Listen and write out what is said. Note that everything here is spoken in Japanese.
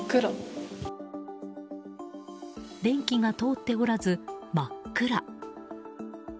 電気が通っておらず、真っ暗。